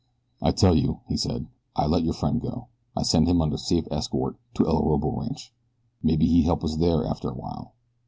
"I tell you," he said. "I let your friend go. I send him under safe escort to El Orobo Rancho. Maybe he help us there after a while.